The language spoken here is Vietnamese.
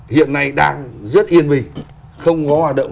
hiện nay đang rất yên bình không có hoạt động